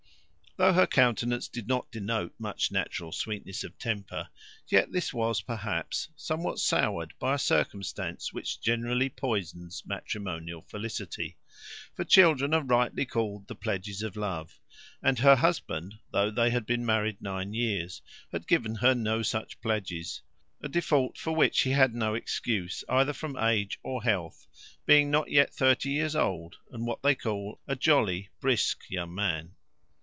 Though her countenance did not denote much natural sweetness of temper, yet this was, perhaps, somewhat soured by a circumstance which generally poisons matrimonial felicity; for children are rightly called the pledges of love; and her husband, though they had been married nine years, had given her no such pledges; a default for which he had no excuse, either from age or health, being not yet thirty years old, and what they call a jolly brisk young man.